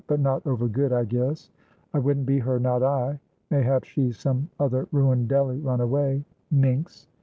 but not over good, I guess; I wouldn't be her, not I mayhap she's some other ruined Delly, run away; minx!'